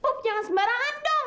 eh pup jangan sembarangan dong